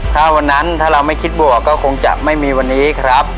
ถ้าวันนั้นถ้าเราไม่คิดบวกก็คงจะไม่มีวันนี้ครับ